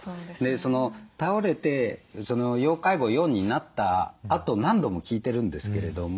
倒れて要介護４になったあと何度も聞いてるんですけれども